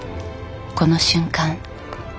この瞬間